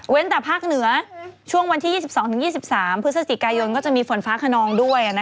แต่ภาคเหนือช่วงวันที่๒๒๒๓พฤศจิกายนก็จะมีฝนฟ้าขนองด้วย